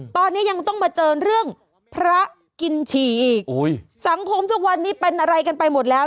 ตอนนี้ยังต้องมาเจอเรื่องพระกินฉี่อีกสังคมทุกวันนี้เป็นอะไรกันไปหมดแล้ว